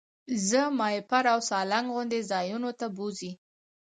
زه ماهیپر او سالنګ غوندې ځایونو ته بوځئ.